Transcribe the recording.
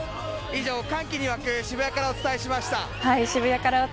以上、歓喜に沸く渋谷からお伝えしました。